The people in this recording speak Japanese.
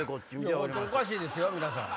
おかしいですよ皆さん。